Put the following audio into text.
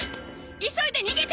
急いで逃げて！